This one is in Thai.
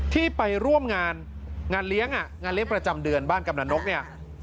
ที่ไปร่วมงานงานเลี้ยงอ่ะงานเลี้ยงประจำเดือนบ้านกำลังนกเนี่ย